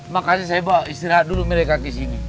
makanya saya bawa istirahat dulu mereka ke sini